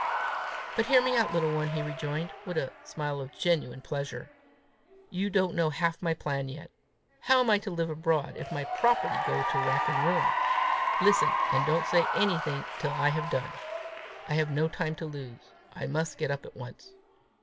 "But hear me out, little one," he rejoined, with a smile of genuine pleasure; "you don't know half my plan yet. How am I to live abroad, if my property go to rack and ruin? Listen, and don't say anything till I have done; I have no time to lose; I must get up at once.